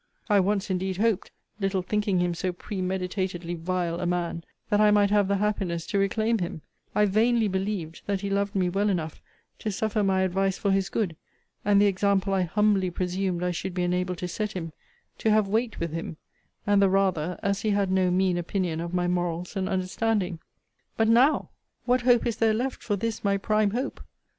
'I once indeed hoped, little thinking him so premeditatedly vile a man, that I might have the happiness to reclaim him: I vainly believed that he loved me well enough to suffer my advice for his good, and the example I humbly presumed I should be enabled to set him, to have weight with him; and the rather, as he had no mean opinion of my morals and understanding: But now what hope is there left for this my prime hope?